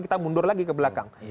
kita mundur lagi ke belakang